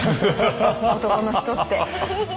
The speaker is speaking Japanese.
男の人って。